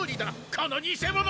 この偽者！